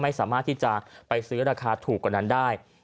ไม่สามารถที่จะไปซื้อราคาถูกกว่านั้นได้